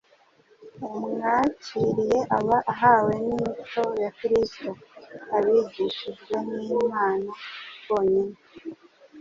Umwakiriye aba ahawe n'imico ya Kristo. Abigishijwe n'Imana bonyine,